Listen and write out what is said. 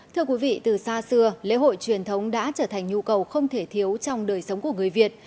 thưa quý vị từ xa xưa lễ hội truyền thống đã trở thành nhu cầu không thể thiếu trong đời sống của người việt